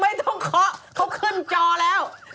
ไม่ต้องเค้าขึ้นจอแล้ว